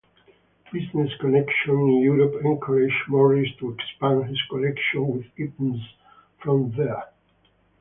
Business connections in Europe encouraged Morris to expand his collection with items from there.